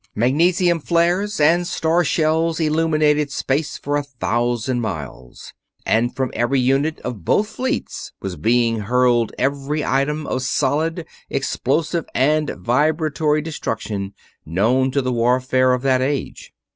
Magnesium flares and star shells illuminated space for a thousand miles, and from every unit of both fleets was being hurled every item of solid, explosive and vibratory destruction known to the warfare of that age.